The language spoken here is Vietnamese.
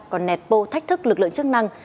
còn nẹt bô thách thức lực lượng chức năng